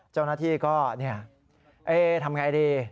เจ้าหน้าที่ก็เอ๊ทำยังไงดิ